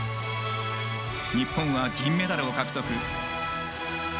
日本は銀メダルを獲得。